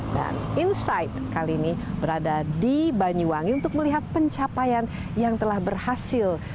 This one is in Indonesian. dan insight kali ini berada di banyuwangi untuk melihat pencapaian yang telah berhasil